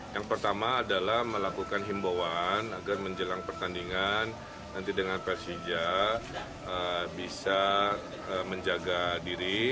yang pertama adalah melakukan himbauan agar menjelang pertandingan nanti dengan persija bisa menjaga diri